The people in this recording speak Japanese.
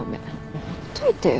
もうほっといてよ。